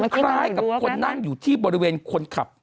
คล้ายกับคนนั่งอยู่ที่บริเวณคนขับ